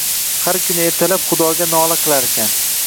Har kuni ertalab Xudoga nola qilarkan.